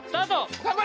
頑張れ！